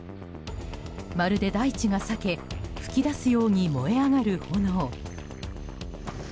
まるで大地が裂け噴き出すように燃え上がる炎。